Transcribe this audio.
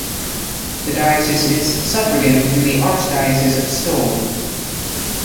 The diocese is suffragan to the Archdiocese of Seoul.